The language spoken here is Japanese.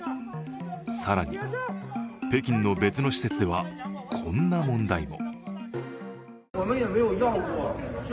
更に、北京の別の施設ではこんな問題も。